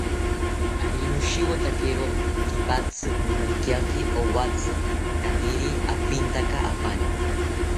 Ari noshewotakiro kipatzi, nomonkiaki owatzi kaniri apintaka apani